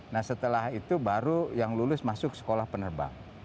nah setelah itu baru yang lulus masuk sekolah penerbang